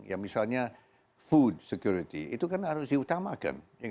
ya misalnya food security itu kan harus diutamakan